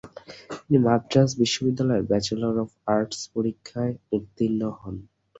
তিনি মাদ্রাজ বিশ্ববিদ্যালয়ের bachelor of arts পরীক্ষায় উত্তীর্ণ হন।